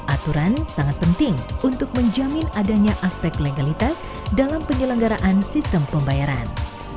aturan sangat penting untuk menjamin adanya aspek legalitas dalam penyelenggaraan sistem pembayaran